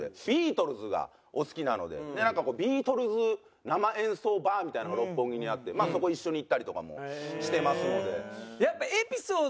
ビートルズがお好きなのででなんかこうビートルズ生演奏バーみたいなのが六本木にあってまあそこ一緒に行ったりとかもしてますので。